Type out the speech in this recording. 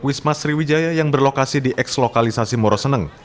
wisma sriwijaya yang berlokasi di eks lokalisasi moroseneng